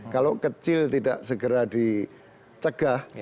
kalau kecil tidak segera dicegah